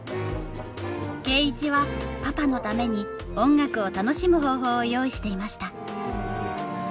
圭一はパパのために音楽を楽しむ方法を用意していました